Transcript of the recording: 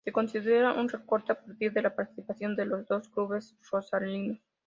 Se considera un recorte a partir de la participación de los dos clubes rosarinos.